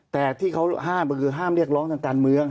แต่ที่เขาห้ามก็คือห้ามเรียกร้องทางการเมือง